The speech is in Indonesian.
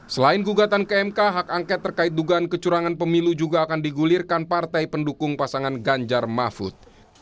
selain gugatan ke mk hak angket terkait dugaan kecurangan pemilu juga akan digulirkan partai pendukung pasangan ganjar mahfud